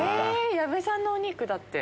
矢部さんのお肉だって。